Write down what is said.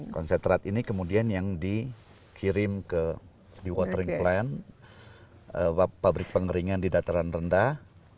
konsentrat ini kemudian yang dikirim di watering plan pabrik pengeringan di dataran rendah